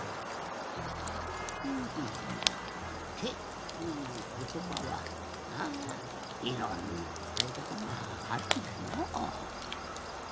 ふむてということばはああいろんなつかいかたがあるんじゃのう。